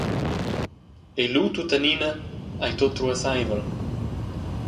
E lu tuttenina ei tut ruasseivel.